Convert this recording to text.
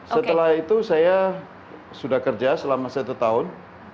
setelah itu saya sudah kerja selama satu tahun